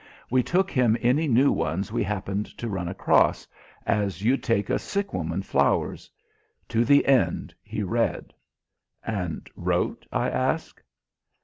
"We took him any new ones we happened to run across, as you'd take a sick woman flowers. To the end he read." "And wrote?" I asked.